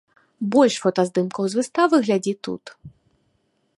Больш фотаздымкаў з выставы глядзі тут.